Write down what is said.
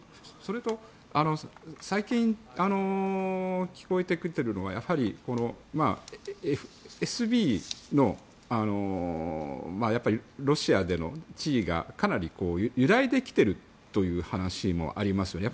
それと、最近聞こえてきているのはやはり、ＦＳＢのロシアでの地位がかなり揺らいできているという話もあります。